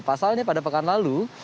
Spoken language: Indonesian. pasalnya pada pekan lalu